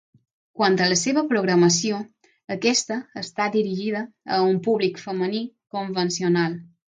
Quant a la seva programació, aquesta està dirigida a un públic femení convencional.